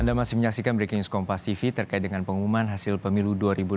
anda masih menyaksikan breaking news kompas tv terkait dengan pengumuman hasil pemilu dua ribu dua puluh